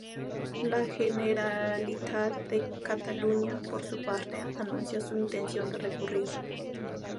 La Generalitat de Cataluña, por su parte, anuncia su intención de recurrir.